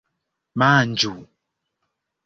manĝu